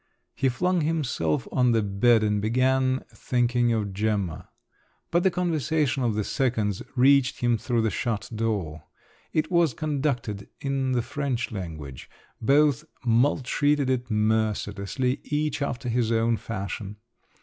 He flung himself on the bed and began thinking of Gemma … but the conversation of the seconds reached him through the shut door. It was conducted in the French language; both maltreated it mercilessly, each after his own fashion.